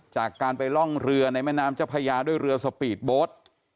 จากการไปล่องเรือในแม่น้ำเจ้าพญาด้วยเรือสปีดโบ๊ท